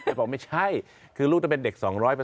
บอกไม่ใช่คือลูกต้องเป็นเด็ก๒๐๐